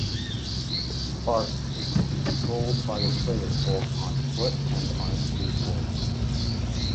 Bart is controlled by the player both on foot and on a skateboard.